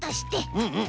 うんうん。